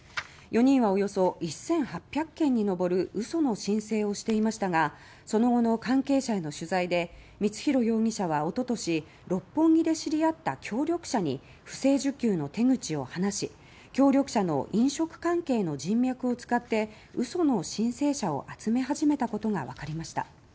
４人は、およそ１８００件に上る嘘の申請をしていましたがその後の関係者への取材で光弘容疑者はおととし六本木で知り合った協力者に不正受給の手口を話し協力者の飲食関係の人脈を使って嘘の申請者を集め始めたことがわかりました。